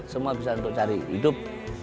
semua bisa untuk cari hidup